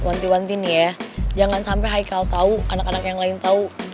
wanti wantin ya jangan sampe haikal tau anak anak yang lain tau